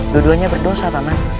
dua duanya berdosa paman